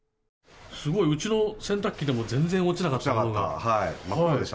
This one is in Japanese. すごい、うちの洗濯機でも全然落ちなかったものが。